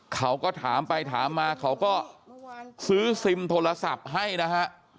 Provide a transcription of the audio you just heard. เขาก็ถามไปถามมาเขาก็ซื้อซิมโทรศัพท์ให้นะฮะ